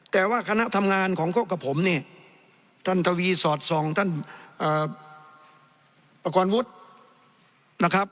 แต่ว่าคณะทำงานของคบกับผมเนี่ยท่านทวีสอดส่องท่านประกอบวุฒินะครับ